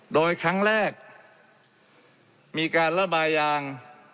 โดยครั้งแรกมีการระบายยาง